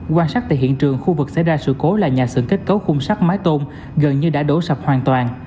quan sát tại hiện trường khu vực xảy ra sự cố là nhà xưởng kết cấu khung sắt mái tôn gần như đã đổ sập hoàn toàn